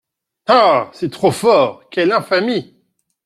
Ah ! c’est trop fort ! quelle infamie !